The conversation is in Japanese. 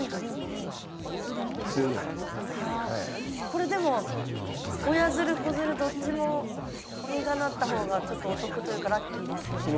これでも親づる子づるどっちも実がなった方がちょっとお得というかラッキーですよね。